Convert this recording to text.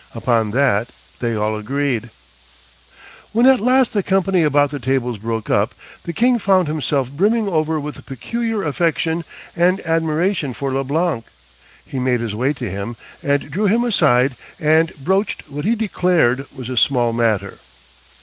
Upon that they all agreed. When at last the company about the tables broke up, the king found himself brimming over with a peculiar affection and admiration for Leblanc, he made his way to him and drew him aside and broached what he declared was a small matter.